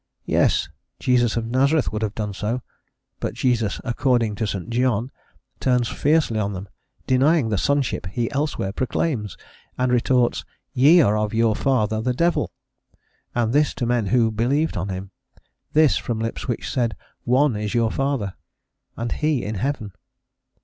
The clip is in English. Yes! Jesus of Nazareth would have done so. But Jesus, "according to St. John," turns fiercely on them, denying the sonship he elsewhere proclaims, and retorts, "Ye are of your father, the devil." And this to men who "believed on him;" this from lips which said, "One is your Father," and He, in heaven.